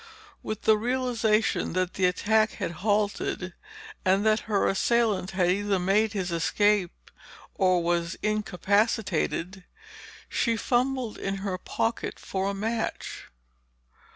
With the realization that the attack had halted and that her assailant had either made his escape or was incapacitated, she fumbled in her pocket for a match.